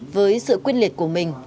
với sự quyên liệt của mình